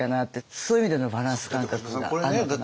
そういう意味でのバランス感覚があるのかなって。